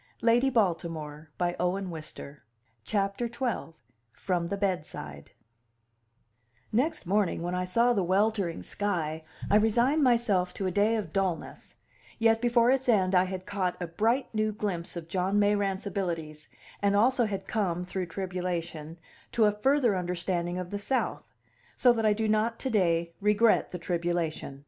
He de cahpentah, my gran'son, Cha's Coteswuth." XII: From the Bedside Next morning when I saw the weltering sky I resigned myself to a day of dullness; yet before its end I had caught a bright new glimpse of John Mayrant's abilities, and also had come, through tribulation, to a further understanding of the South; so that I do not, to day, regret the tribulation.